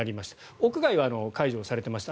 屋外は解除されてました。